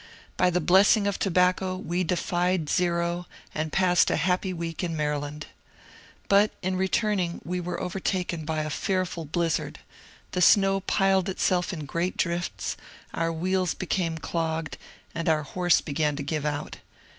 By the blessing of tobacco we defied Zero, and passed a happy week in Maryland. But in returning we were overtaken by a fearful blizzard. The snow piled itself in great drifts, our wheels became clogged, and our horse began to give out.